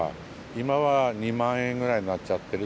今は２万円ぐらいになっちゃってる。